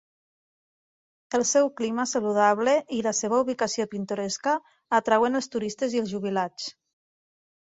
El seu clima saludable i la seva ubicació pintoresca atrauen els turistes i els jubilats.